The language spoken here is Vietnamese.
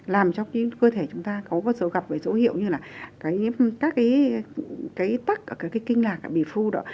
làm cho cái cơ thể chúng ta có một số gặp với dấu hiệu như là các cái tắc các cái kinh lạc các cái bì phu đó